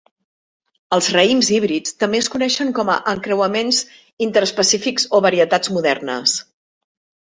Els raïms híbrids també es coneixen com a encreuaments interespecífics o varietats modernes.